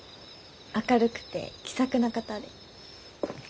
明るくて気さくな方で。